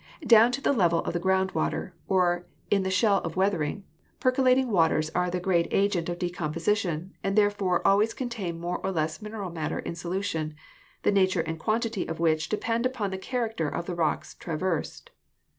Down to the level of the ground water, or in the shell of weathering, percolating waters are the great Fig. 18 — Percolation of Ground Water. agent of decomposition and therefore always contain more or less mineral matter in solution, the nature and quantity of which depend upon the character of the rocks traversed.